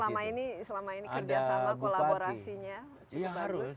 dan selama ini kerjasama kolaborasinya cukup bagus